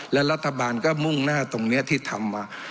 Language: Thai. และรัฐบาลก็มุ่งหน้าตรงนี้ที่ทำมา